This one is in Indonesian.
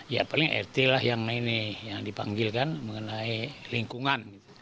ya paling rt lah yang dipanggil kan mengenai lingkungan